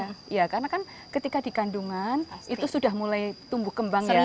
karena kan ketika dikandungan itu sudah mulai tumbuh kembang ya